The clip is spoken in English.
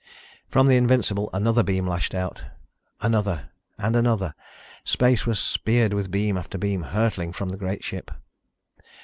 From the Invincible another beam lashed out ... another and another. Space was speared with beam after beam hurtling from the great ship.